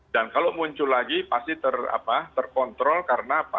dan kalau muncul lagi pasti terkontrol karena apa